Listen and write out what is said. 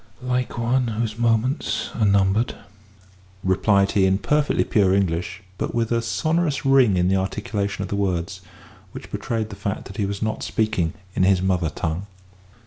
"Like one whose moments are numbered," replied he in perfectly pure English, but with a sonorous ring in the articulation of the words, which betrayed the fact that he was not speaking in his mother tongue.